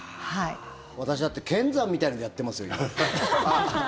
私、だって剣山みたいなのでやってますよ。